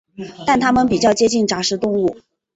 但它们比较接近杂食动物。